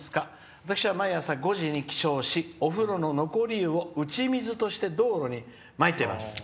私は毎朝、５時に起床しお風呂の残り湯を打ち水として道路にまいています」。